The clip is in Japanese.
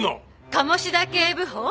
鴨志田警部補！